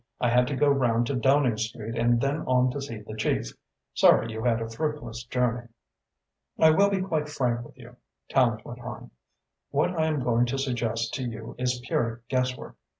"I had to go round to Downing Street and then on to see the chief. Sorry you had a fruitless journey." "I will be quite frank with you," Tallente went on. "What I am going to suggest to you is pure guesswork.